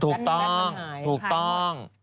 ถูกต้องถูกต้อง